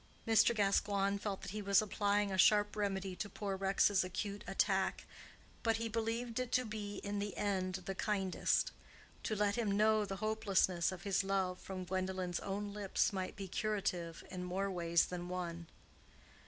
Mr. Gascoigne felt that he was applying a sharp remedy to poor Rex's acute attack, but he believed it to be in the end the kindest. To let him know the hopelessness of his love from Gwendolen's own lips might be curative in more ways than one.